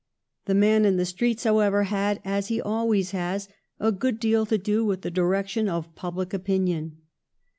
The man in the streets, however, had, as he always has, a good deal to do with the direction of public opinion.